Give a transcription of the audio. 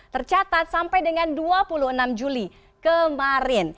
tercatat sampai dengan dua puluh enam juli kemarin